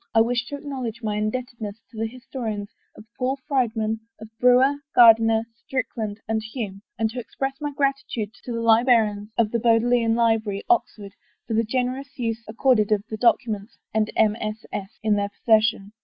I ivish to acknowledge my indebtedness to the his tories of Paul Friedmann, of Brewer, Gairdiner, Strick land, and Hume, and to express my gratitude to the librarians of the Bodleian Library, Oxford, for the gen erous use accorded of the documents and MSS. in their possession.